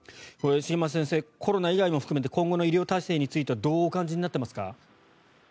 茂松先生コロナ以外も含めて今後の医療体制についてはどうお感じになっていますか？